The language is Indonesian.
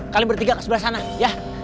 kalian bertiga ke sebelah sana ya